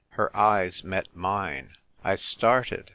Her eyes met mine. I started.